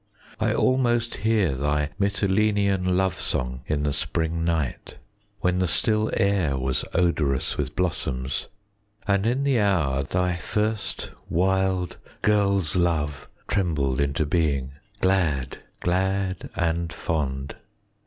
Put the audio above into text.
10 I almost hear thy Mitylenean love song In the spring night, When the still air was odorous with blossoms, And in the hour Thy first wild girl's love trembled into being, 15 Glad, glad and fond.